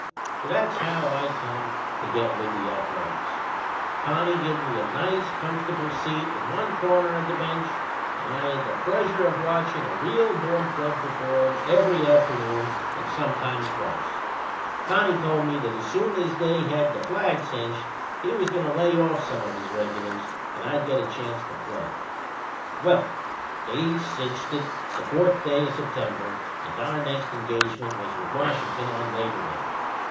So that's how I come to get with the Ath a letics. Connie give me a nice, comf'table seat in one corner o' the bench and I had the pleasure o' watchin' a real ball club perform once every afternoon and sometimes twice. Connie told me that as soon as they had the flag cinched he was goin' to lay off some o' his regulars and I'd get a chance to play. Well, they cinched it the fourth day o' September and our next engagement was with Washin'ton on Labor Day.